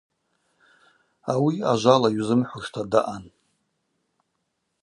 Ауи ажвала йузымхӏвушта даъан.